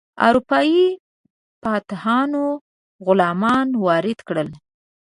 اروپایي فاتحانو غلامان وارد کړل.